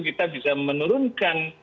kita bisa menurunkan